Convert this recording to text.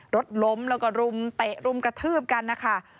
รถล้มแล้วก็รุมเตะรุมกระทืบกันนะคะ